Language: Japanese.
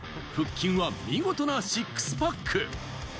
腹筋は見事なシックスパック。